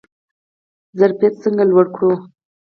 ظرفیت څنګه لوړ کړو؟